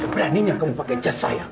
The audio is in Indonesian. beraninya kaum pakai jas saya